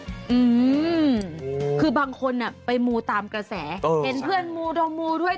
อืมคือบางคนอ่ะไปมูตามกระแสเห็นเพื่อนมูดมมูด้วย